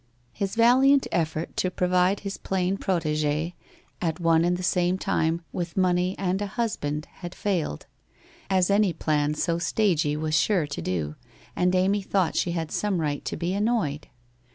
His valiant effort to provide his plain protegee at one and the same time with money and a husband had failed, as any plan so stagey was sure to do, and Amy thought she had some right to be annoyed.